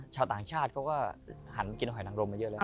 ชาวต่างชาติเขาก็หันกินหอยนังรมมาเยอะแล้ว